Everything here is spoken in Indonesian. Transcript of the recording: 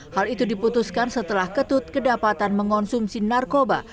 hal itu diputuskan setelah ketut kedapatan mengonsumsi narkoba